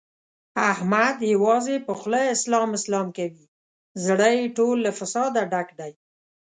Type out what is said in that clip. احمد یوازې په خوله اسلام اسلام کوي، زړه یې ټول له فساده ډک دی.